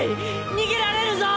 逃げられるぞ！